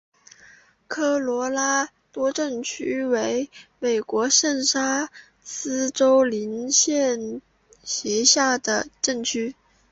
科罗拉多镇区为美国堪萨斯州林肯县辖下的镇区。